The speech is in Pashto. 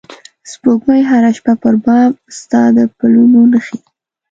سپوږمۍ هره شپه پر بام ستا د پلونو نښې